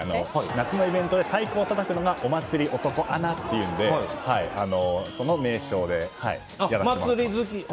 夏のイベントで太鼓をたたくのがオマツリ男アナというのでその名称でやらせてもらってます。